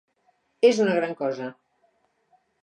És una gran cosa.